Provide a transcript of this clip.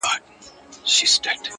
• خپل ترمنځه له یو بل سره لوبېږي..